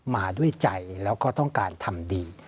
มาด้วยใจแล้วก็ต้องการทำดี